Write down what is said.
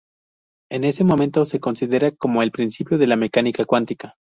Ese momento se considera como el principio de la Mecánica cuántica.